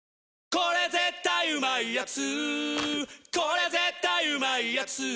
これ絶対うまいやつ」